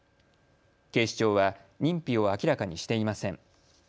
警視庁は認否を明らかにしていません。